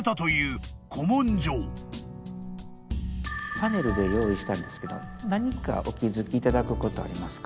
パネルで用意したんですけど何かお気付きいただくことありますか？